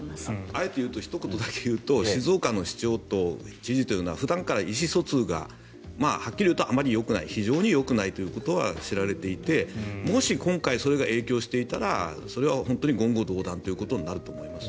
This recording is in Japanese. あえてひと言だけ言うと静岡の市長と知事というのははっきり言うとあまりよくない非常によくないということは知られていてもし、今回それが影響していたらそれは本当に言語道断ということになると思います。